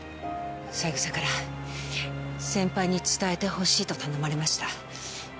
三枝から先輩に伝えてほしいと頼まれました。